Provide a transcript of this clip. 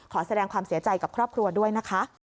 ขอแสดงความเสียใจกับครอบครัวด้วยนะคะ